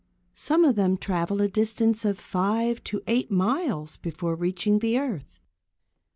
Some of them travel a distance of five to eight miles before reaching the earth.